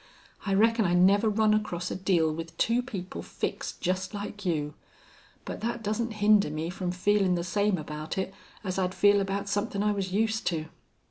I reckon I never run across a deal with two people fixed just like you. But that doesn't hinder me from feelin' the same about it as I'd feel about somethin' I was used to."